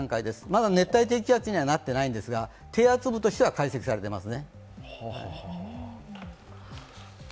まだ熱帯低気圧にはなっていないんですが、低圧部としては解析されています。